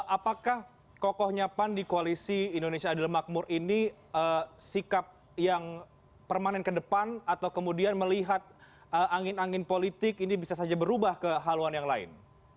apakah kokohnya pan di koalisi indonesia adil makmur ini sikap yang permanen ke depan atau kemudian melihat angin angin politik ini bisa saja berubah ke haluan yang lain